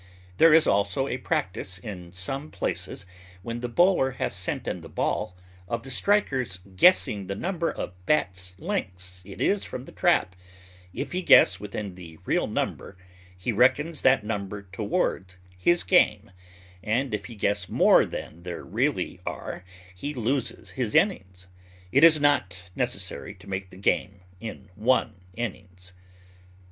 There is also a practice in some places, when the bowler has sent in the ball, of the striker's guessing the number of bats' lengths it is from the trap; if he guess within the real number he reckons that number toward his game, but if he guess more than there really are he loses his innings. It is not necessary to make the game in one innings.